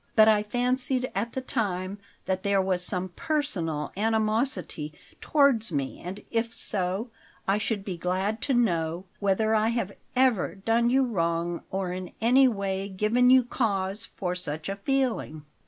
But I fancied at the time that there was some personal animosity towards me; and if so, I should be glad to know whether I have ever done you wrong or in any way given you cause for such a feeling."